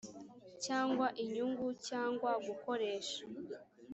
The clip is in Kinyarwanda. cyangwa inyungu cyangwa gukoresha